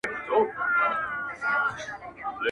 هر څوک بېلابېل نظرونه ورکوي او بحث زياتېږي,